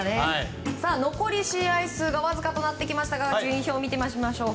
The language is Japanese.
残り試合数がわずかとなってきましたが順位表を見てみましょう。